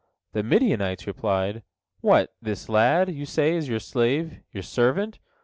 The Midianites replied: "What, this lad, you say, is your slave, your servant?